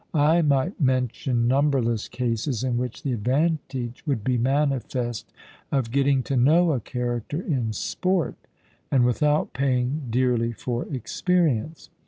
I might mention numberless cases, in which the advantage would be manifest of getting to know a character in sport, and without paying dearly for experience.